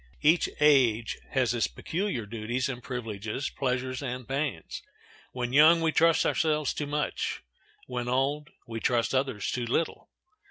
Each age has its peculiar duties and privileges, pleasures and pains. When young we trust ourselves too much; when old we trust others too little.